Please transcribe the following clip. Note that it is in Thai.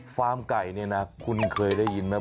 ฟาร์มไก่เนี่ยนะคุณเคยได้ยินไหม